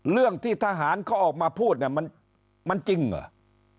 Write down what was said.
เรื่องที่ทหารเขาออกมาพูดเนี่ยมันจริงเหรอ